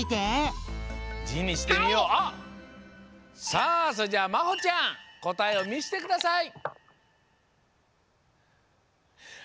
さあそれじゃあまほちゃんこたえをみしてください！